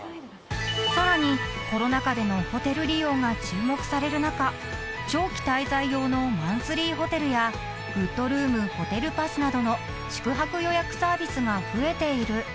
［さらにコロナ禍でのホテル利用が注目される中長期滞在用のマンスリーホテルやｇｏｏｄｒｏｏｍホテルパスなどの宿泊予約サービスが増えている］